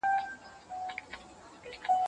موږ د خپلو ادیبانو په مقام فخر کوو.